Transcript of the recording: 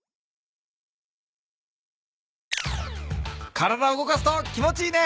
体を動かすと気持ちいいね。